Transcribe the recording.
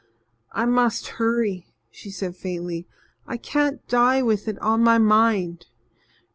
"I must hurry," she said faintly. "I can't die with it on my mind.